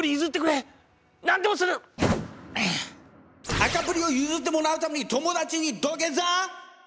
赤プリを譲ってもらうために友達に土下座！